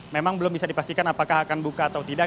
memang belum bisa dipastikan apakah akan buka atau tidak